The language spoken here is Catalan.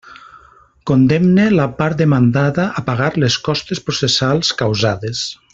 Condemne la part demandada a pagar les costes processals causades.